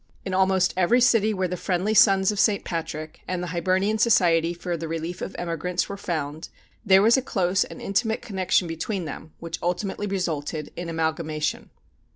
In almost every city where the Friendly Sons of St. Patrick and the Hibernian Society for the Relief of Emigrants were found, there was a close and intimate connection between them, which ultimately resulted in amalgamation.